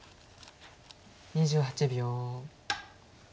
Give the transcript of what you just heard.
２８秒。